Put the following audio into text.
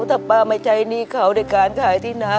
ถ้าป้าไม่ใช้หนี้เขาด้วยการขายที่นา